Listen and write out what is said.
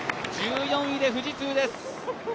１４位で富士通です。